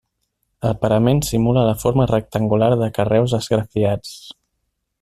El parament simula la forma rectangular de carreus esgrafiats.